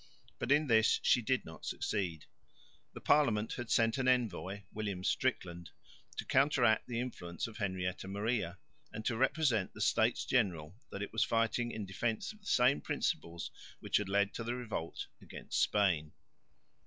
But in this she did not succeed. The Parliament had sent an envoy, William Strickland, to counteract the influence of Henrietta Maria, and to represent to the States General that it was fighting in defence of the same principles which had led to the revolt against Spain.